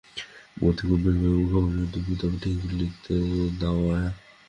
মতি গম্ভীর মুখে বলে, তুমি তবে ঠিকানা লিখে দিও, অ্যাঁ?